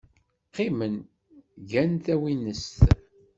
Qqimen, gan tawinest.